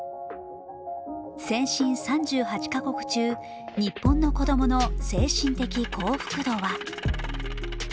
先進３８か国中日本の子供の精神的幸福度は。